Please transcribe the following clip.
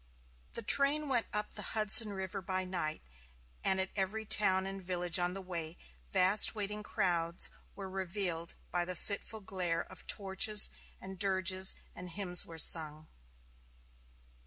The train went up the Hudson River by night, and at every town and village on the way vast waiting crowds were revealed by the fitful glare of torches, and dirges and hymns were sung.